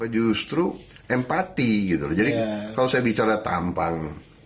justru empati gitu jadi kalau saya bicara tampang